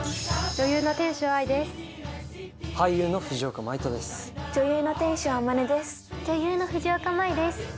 女優の藤岡舞衣です。